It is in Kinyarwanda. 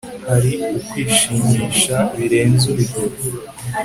hari ukwishimisha birenze urugero